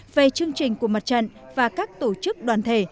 về chương trình của mặt trận và các tổ chức đoàn thể